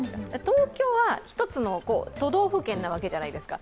東京は１つの都道府県なわけじゃないですか。